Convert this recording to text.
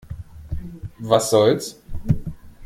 Was soll's?